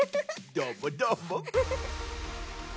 どーもどーも。